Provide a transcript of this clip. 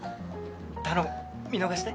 頼む見逃して。